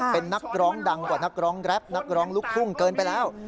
เป็นนักร้องดังกว่านักร้องแรปนักร้องลูกทุ่งเกินไปแล้ว